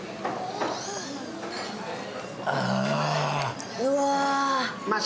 ああ。